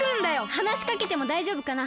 はなしかけてもだいじょうぶかな？